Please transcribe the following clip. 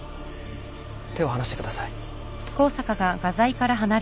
手を離してください。